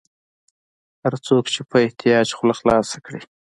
هر څوک چې په احتیاج خوله خلاصه کړي.